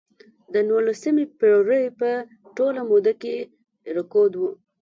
د نولسمې پېړۍ په ټوله موده کې رکود و.